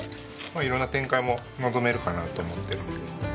まあ色んな展開も望めるかなと思ってるので。